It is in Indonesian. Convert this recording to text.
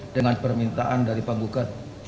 dengan permintaan dari penggugat